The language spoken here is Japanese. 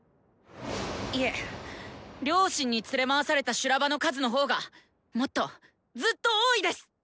いえ両親に連れ回された修羅場の数の方がもっとずっと多いです。